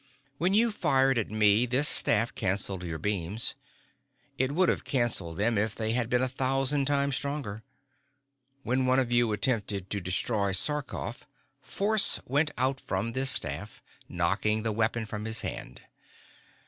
"When you fired at me, this staff canceled your beams. It would have canceled them if they had been a thousand times stronger. When one of you attempted to destroy Sarkoff, force went out from this staff, knocking the weapon from his hand.